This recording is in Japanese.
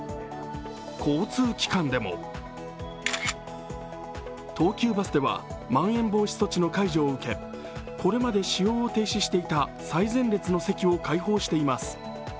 交通機関でも、東急バスではまん延防止措置の解除を受け、これまで使用を停止していた最前列の席を開放しています。